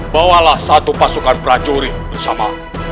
bawalah satu pasukan prajurit bersama